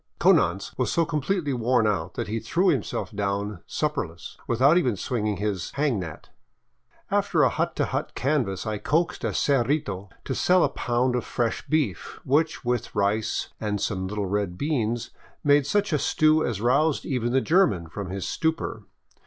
Konanz was so completely worn out that he threw himself down sup perless, without even swinging his " hang net." After a hut to hut canvass I coaxed a cerrito to sell a pound of fresh beef, which, with rice and some little red beans, made such a stew as roused even the German from his stupor.